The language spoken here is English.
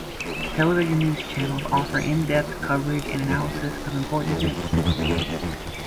Television news channels offer in-depth coverage and analysis of important events.